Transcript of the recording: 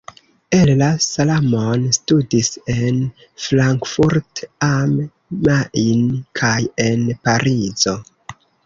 Ella Salamon studis en Frankfurt am Main kaj en Parizo.